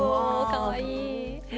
かわいい。